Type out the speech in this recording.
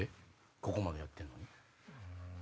ここまでやってるのに。